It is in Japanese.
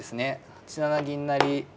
８七銀成